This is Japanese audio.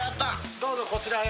どうぞこちらへ。